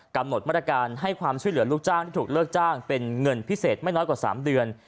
กำหนดมาตรการให้ความช่วยเหลือลูกจ้างที่ถูกเลิกจ้างเป็นเงินพิเศษไม่น้อยกว่า๓เดือน